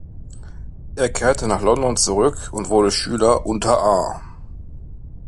Er kehrte nach London zurück und wurde Schüler unter A.